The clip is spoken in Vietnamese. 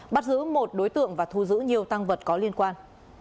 bắt giữ một đối tượng và thu giữ nhiều tăng vật có liên quan